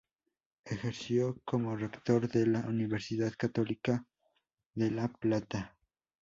Ejerció como Rector de la Universidad Católica de La Plata.